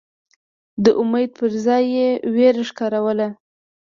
د امید پر ځای یې وېره ښکاروله.